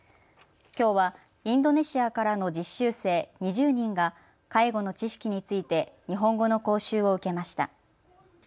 きょうはインドネシアからの実習生、２０人が介護の知識について日本語の講習を受けました。